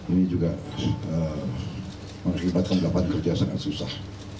ini juga mengakibatkan lapangan kerja sangat susah